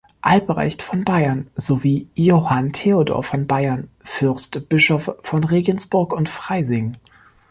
Albrecht von Bayern sowie Johann Theodor von Bayern, Fürstbischof von Regensburg und Freising.